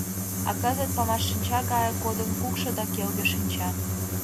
А кызыт памашшинча гае кодын Кукшо да келге шинча.